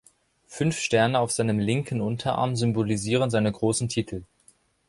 Fünf Sterne auf seinem linken Unterarm symbolisieren seine großen Titel.